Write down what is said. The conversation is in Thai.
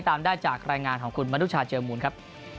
ตามได้จากรายงานของคุณมนุชาเจอมูลครับ